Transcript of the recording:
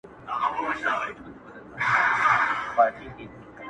تباه كړي مي څو شلي كندوگان دي.!